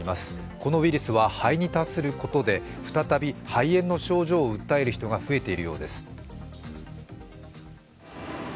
このウイルスは肺に達することで再び肺炎の症状を訴える人が増えているようです。